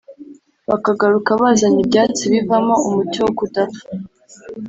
bakagaruka bazanye ibyatsi bivamo umuti wo kudapfa.